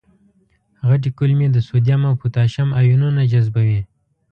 غټې کولمې د سودیم او پتاشیم آیونونه جذبوي.